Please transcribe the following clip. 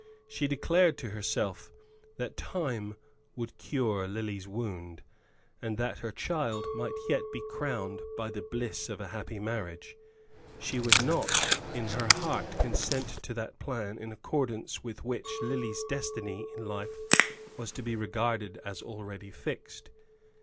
She declared to herself that time would cure Lily's wound, and that her child might yet be crowned by the bliss of a happy marriage. She would not in her heart consent to that plan in accordance with which Lily's destiny in life was to be regarded as already fixed.